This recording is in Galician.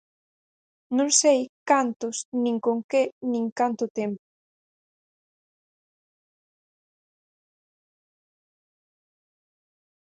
Non sei cantos nin con que nin canto tempo.